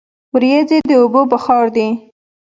وریځې د اوبو بخار دي.